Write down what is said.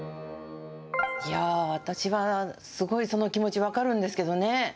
私はすごいその気持ち分かるんですけれどもね。